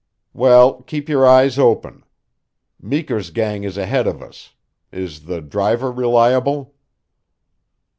"Well, keep your eyes open. Meeker's gang is ahead of us. Is the driver reliable?"